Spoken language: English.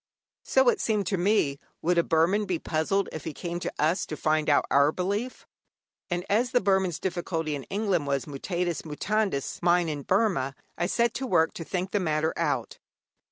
So, it seemed to me, would a Burman be puzzled if he came to us to find out our belief; and as the Burman's difficulty in England was, mutatis mutandis, mine in Burma, I set to work to think the matter out.